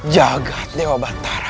jagat dewa batara